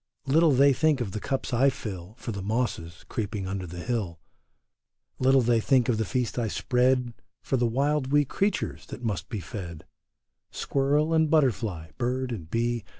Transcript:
Little they think of the cups I fill For the mosses creeping under the hill ; Little they think of the feast I spread For the wild wee creatures that must be fed : Squirrel and butterfly, bird and bee.